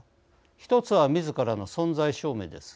１つはみずからの存在証明です。